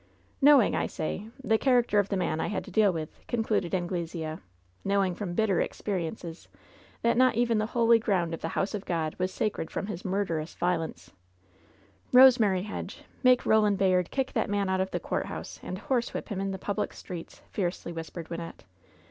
"Knowing, I say, the character of the man I had to deal with,'' concluded Anglesea ; ^Tmowing from bitter experienca that not even the holy ground of the house of God was sacred from his murderous violence ^" 'TRosemary Hedge! make Roland Bayard kick that man out of the courthouse and horsewhip him in the public streets!" fiercely whispered Wynnette.